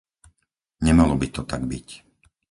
Nemalo by to tak byť.